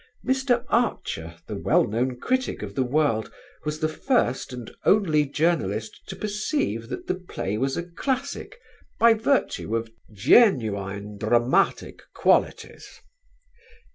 Mr. Archer, the well known critic of The World, was the first and only journalist to perceive that the play was a classic by virtue of "genuine dramatic qualities."